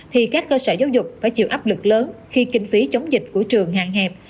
thì các cơ sở giáo dục phải chịu áp lực lớn khi kinh phí chống dịch của trường hạn hẹp